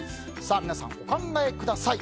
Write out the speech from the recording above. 皆さん、お考えください。